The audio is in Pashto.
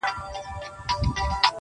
لا د مرګ په خوب ویده دی!.!